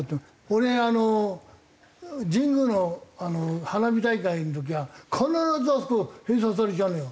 俺あの神宮の花火大会の時は必ずあそこ閉鎖されちゃうのよ。